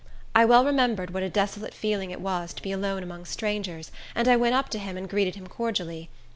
I well remembered what a desolate feeling it was to be alone among strangers, and I went up to him and greeted him cordially.